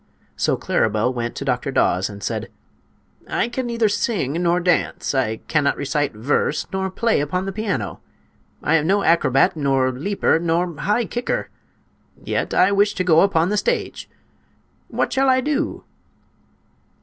So Claribel went to Dr. Daws and said: "I can neither sing nor dance; I cannot recite verse nor play upon the piano; I am no acrobat nor leaper nor high kicker; yet I wish to go upon the stage. What shall I do?"